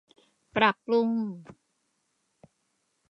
ปรับปรุง